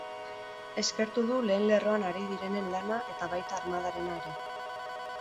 Eskertu du lehen lerroan ari direnen lana eta baita armadarena ere.